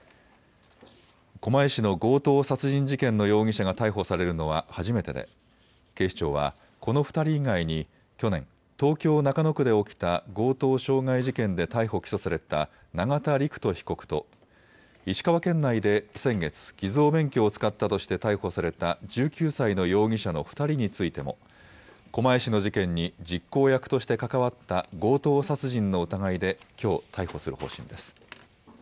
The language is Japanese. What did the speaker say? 狛江市の強盗殺人事件の容疑者が逮捕されるのは初めてで警視庁はこの２人以外に去年、東京中野区で起きた強盗傷害事件で逮捕・起訴された永田陸人被告と石川県内で先月、偽造免許を使ったとして逮捕された１９才の容疑者の２人についても狛江市の事件に実行役として関わった強盗殺人の疑いできょう、逮捕する方針です。